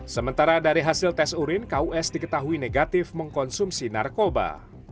sementara dari hasil tes urin kus diketahui negatif mengkonsumsi narkoba